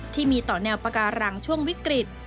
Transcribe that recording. ที่มีต่อแนวปาการังช่วงวิกฤต